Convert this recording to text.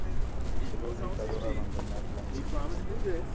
Se ve obligado a abandonar la enseñanza.